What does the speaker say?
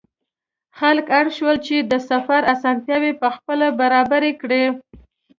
خلک اړ شول چې د سفر اسانتیاوې پخپله برابرې کړي.